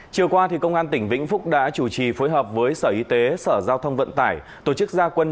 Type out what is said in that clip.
chiều qua công an tỉnh vĩnh phúc đã chủ trì phối hợp với sở y tế sở giao thông vận tải tổ chức gia quân